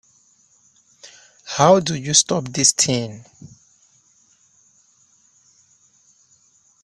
How do you stop this thing?